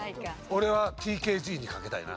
俺はＴＫＧに賭けたいな。